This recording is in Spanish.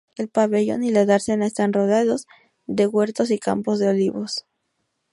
El pabellón y la dársena están rodeados de huertos y campos de olivos.